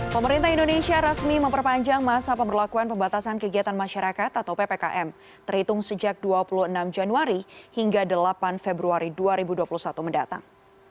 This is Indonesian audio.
pemerintah indonesia resmi memperpanjang masa pemberlakuan pembatasan kegiatan masyarakat atau ppkm terhitung sejak dua puluh enam januari hingga delapan februari dua ribu dua puluh satu mendatang